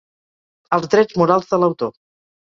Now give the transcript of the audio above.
Els drets morals de l'autor.